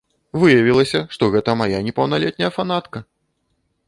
Выявілася, што гэта мая непаўналетняя фанатка!